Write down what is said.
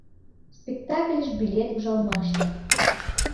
Спектакльыш билет ужалымаште